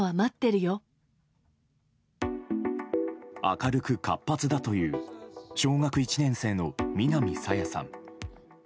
明るく活発だという小学１年生の南朝芽さん。